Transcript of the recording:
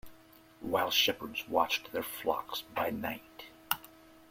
While shepherds watched their flocks by night.